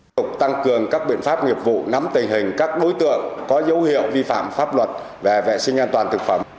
tục tăng cường các biện pháp nghiệp vụ nắm tình hình các đối tượng có dấu hiệu vi phạm pháp luật về vệ sinh an toàn thực phẩm